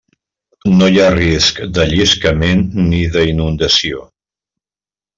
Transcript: No hi ha risc de lliscament ni d'inundació.